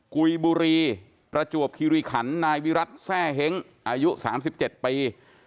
กุยบุรีประจวบคิริขันนายวิรัติแทร่เหงอายุสามสิบเจ็ดปี